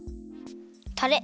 たれ！